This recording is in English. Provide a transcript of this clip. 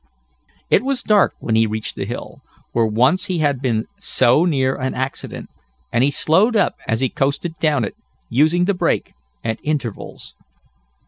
It was dark when he reached the hill, where once he had been so near an accident, and he slowed up as he coasted down it, using the brake at intervals.